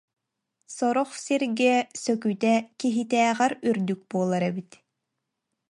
Сорох сиргэ сөкүтэ киһитээҕэр үрдүк буолар эбит